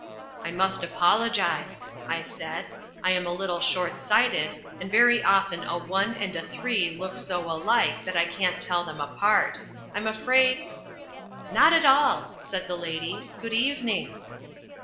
"I must apologise," I said. "I am a little short sighted, and very often a one and a three look so alike that I can't tell them apart. I'm afraid " "Not at all," said the lady. "Good evening."